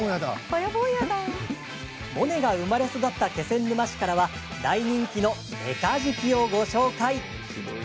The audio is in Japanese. モネが生まれ育った気仙沼市からは大人気のメカジキをご紹介。